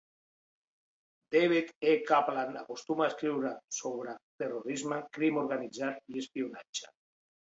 David E. Kaplan acostuma a escriure sobre terrorisme, crim organitzat i espionatge.